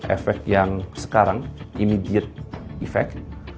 efek yang sekarang immediate effect